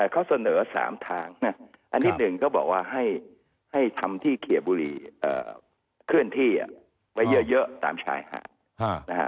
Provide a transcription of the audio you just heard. เขาเสนอ๓ทางอันที่๑ก็บอกว่าให้ทำที่เขียบุรีเคลื่อนที่ไว้เยอะตามชายหาดนะฮะ